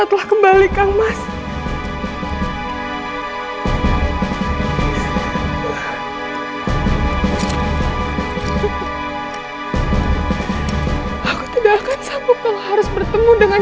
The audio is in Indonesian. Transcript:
dia kommunikasi ke channel saya bagi kedatangan